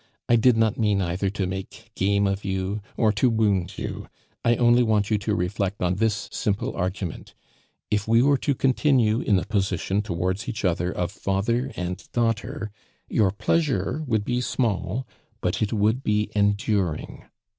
I did not mean either to make game of you or to wound you; I only want you to reflect on this simple argument: If we were to continue in the position towards each other of father and daughter, your pleasure would be small, but it would be enduring.